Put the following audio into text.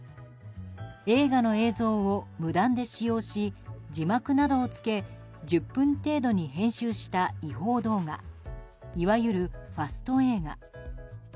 映画の映像を無断で使用し字幕などをつけ１０分程度に編集した違法動画いわゆるファスト映画。